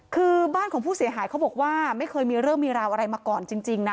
คือบ้านของผู้เสียหายเขาบอกว่าไม่เคยมีเรื่องมีราวอะไรมาก่อนจริงนะ